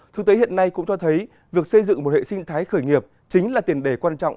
thực tế hiện nay cũng cho thấy việc xây dựng một hệ sinh thái khởi nghiệp chính là tiền đề quan trọng